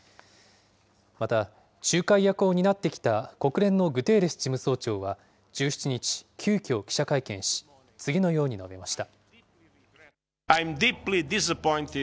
また、仲介役を担ってきた国連のグテーレス事務総長は１７日、急きょ、記者会見し、次のように述べました。